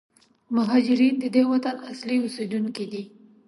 مهارجرین د دې وطن اصلي اوسېدونکي دي.